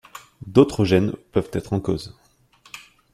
D'autres gènes peuvent être en cause.